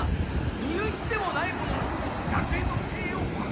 身内でもない者に学園の経営を任せられるか！